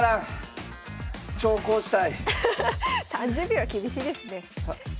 ３０秒は厳しいですね。